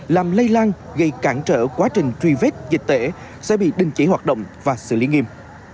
làm lây lan gây cản trở quá trình truy vết dịch tễ sẽ bị đình chỉ hoạt động và xử lý nghiêm